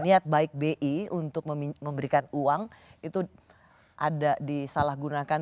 niat baik bi untuk memberikan uang itu ada disalahgunakan